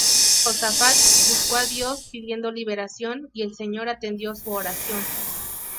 Josafat buscó a Dios pidiendo liberación y el Señor atendió su oración.